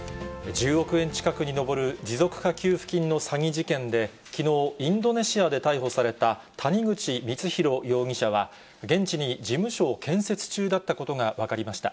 １０億円近くに上る、持続化給付金の詐欺事件で、きのう、インドネシアで逮捕された谷口光弘容疑者は、現地に事務所を建設中だったことが分かりました。